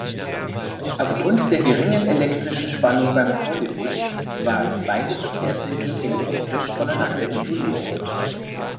Aufgrund der geringeren elektrischen Spannung beim Trolleybus waren beide Verkehrsmittel elektrisch voneinander isoliert.